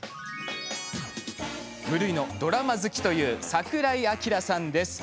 無類のドラマ好きという櫻井彰さんです。